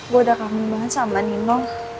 gue sudah kagum banget sama nino